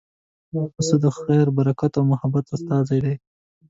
پسه د خیر، برکت او محبت استازی دی.